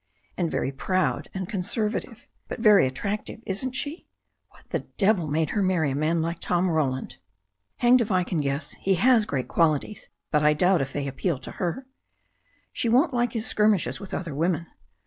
"And very proud and conservative. But very attractive, [THE STORY OF A NEW ZEALAND RIVER 41 isn't she? What the devil made her marry a man like Tom Roland?" ''Hanged if I can guess. He has great qualities, but I doubt if they appeal to her." "She won't like his skirmishes with other women."